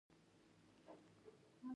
پسرلی د افغانستان د طبیعت برخه ده.